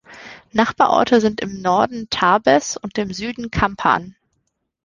Nachbarorte sind im Norden Tarbes und im Süden Campan.